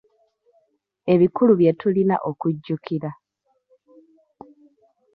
Ebikulu bye tulina okujjukira.